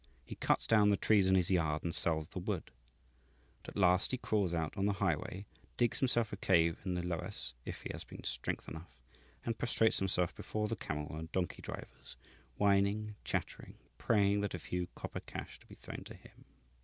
He cuts down the trees in his yard and sells the wood. And at last he crawls out on the highway, digs himself a cave in the loess (if he has strength enough), and prostrates himself before the camel and donkey drivers, whining, chattering, praying that a few copper cash be thrown to him.